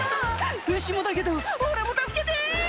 牛もだけど俺も助けて！」